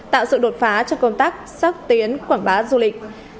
tạo sự đột phá cho công tác xác tiến quảng bá du lịch